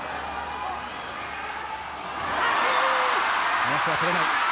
まわしは取れない。